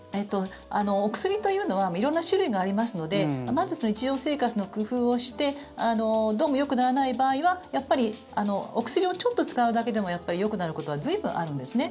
お薬というのは色んな種類がありますのでまず、日常生活の工夫をしてどうもよくならない場合はやっぱりお薬をちょっと使うだけでもよくなることは随分あるんですね。